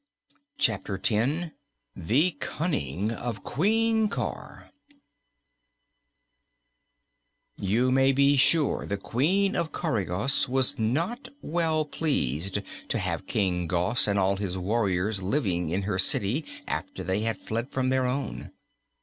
Chapter Ten The Cunning of Queen Cor You may be sure the Queen of Coregos was not well pleased to have King Gos and all his warriors living in her city after they had fled from their own.